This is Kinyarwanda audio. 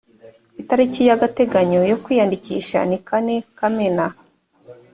itariki y agateganyo yo kwiyandikisha ni kane kamena